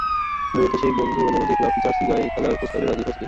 মূলত সেই বন্ধুর অনুরোধেই ক্লাবটির জার্সি গায়ে খেলার প্রস্তাবে রাজি হয়েছেন তিনি।